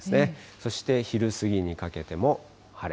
そして昼過ぎにかけても晴れ。